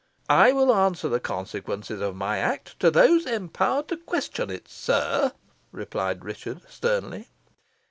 "I will answer the consequences of my act to those empowered to question it, sir," replied Richard, sternly.